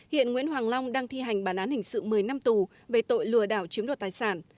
hiện nguyễn hoàng long đang thi hành bản án hình sự một mươi năm tù về tội lừa đảo chiếm đoạt tài sản